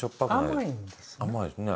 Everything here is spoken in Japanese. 甘いですね。